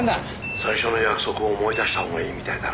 「最初の約束を思い出した方がいいみたいだな」